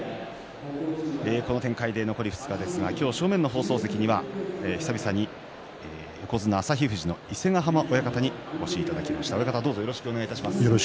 この展開で残り２日ですが今日正面の放送席には久々に横綱旭富士の伊勢ヶ濱親方にお越しいただきました。